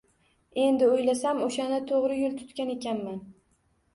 Endi o‘ylasam, o‘shanda to‘g‘ri yo‘l tutgan ekanman